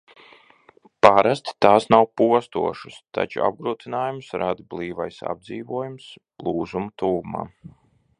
Parasti tās nav postošas, taču apgrūtinājumus rada blīvais apdzīvojums lūzuma tuvumā.